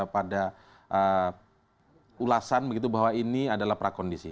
pada ulasan begitu bahwa ini adalah prakondisi